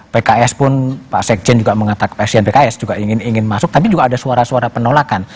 pks pun pak sekjen juga mengatakan presiden pks juga ingin masuk tapi juga ada suara suara penolakan